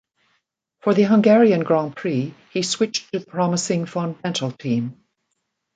For the Hungarian Grand Prix he switched to the promising Fondmetal team.